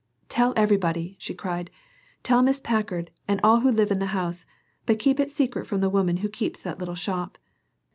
"Tell everybody," she cried; "tell Mrs. Packard and all who live in the house; but keep it secret from the woman who keeps that little shop.